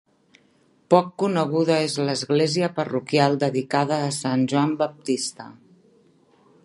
Poc coneguda és l'església parroquial dedicada a Sant Joan Baptista.